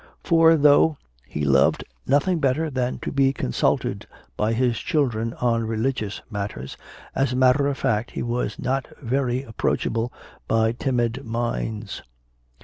For, though he loved nothing better than to be consulted by his children on religious matters, as a matter of fact he was not very approachable by timid minds.